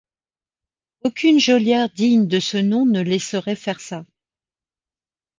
Aucune geôlière digne de ce nom ne laisserait faire ça.